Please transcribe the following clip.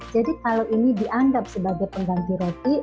jadi kalau ini dianggap sebagai pengganti roti